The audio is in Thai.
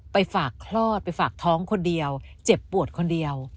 ไปฝากคลอดไปฝากท้องคนเดียวเจ็บปวดคนเดียว